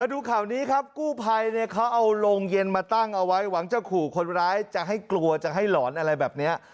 ดูข่าวนี้ครับกู้ภัยเนี่ยเขาเอาโรงเย็นมาตั้งเอาไว้หวังจะขู่คนร้ายจะให้กลัวจะให้หลอนอะไรแบบนี้